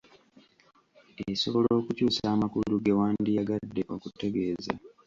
Esobola okukyusa amakulu ge wandiyagadde okutegeeza.